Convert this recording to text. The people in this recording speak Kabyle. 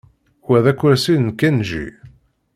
Wa d akersi n Kenji.